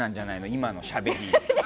今のしゃべり。